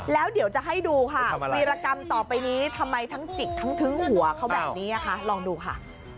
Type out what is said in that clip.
แล้วเดี๋ยวจะให้ดูค่ะวีรกรรมต่อไปนี้ทำไมทั้งจิกทั้งทึ้งหัวเขาแบบนี้นะคะลองดูค่ะ